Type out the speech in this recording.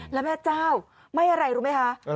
แล้วแม่เจ้าไม่อะไรรู้ไหมคะ